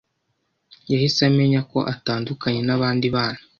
yahise amenya ko atandukanye nabandi bana.